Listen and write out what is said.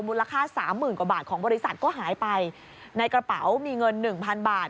มูลค่าสามหมื่นกว่าบาทของบริษัทก็หายไปในกระเป๋ามีเงินหนึ่งพันบาท